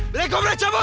berikut berat cabut